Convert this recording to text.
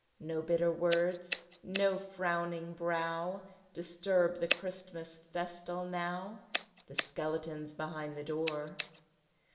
No bitter words, no frowning brow, Disturb the Christmas festal, now The skeleton's behind the door.